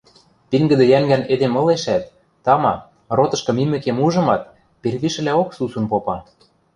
Пингӹдӹ йӓнгӓн эдем ылешӓт, тама, ротышкы мимӹкем ужымат, первишӹлӓок сусун попа